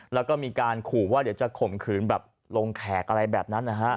แล้วก็มีการขู่ว่าเดี๋ยวจะข่มขืนแบบลงแขกอะไรแบบนั้นนะฮะ